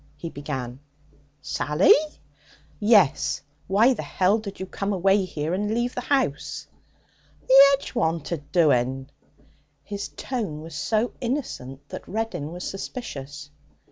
he began. 'Sally?' 'Yes. Why the h did you come away here and leave the house?' 'The 'edge wanted doing.' His tone was so innocent that Reddin was suspicious.